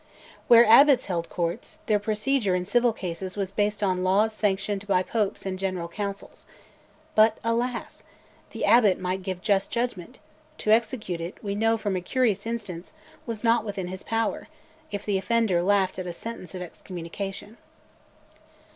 Where Abbots held courts, their procedure, in civil cases, was based on laws sanctioned by popes and general councils. But, alas! the Abbot might give just judgment; to execute it, we know from a curious instance, was not within his power, if the offender laughed at a sentence of excommunication.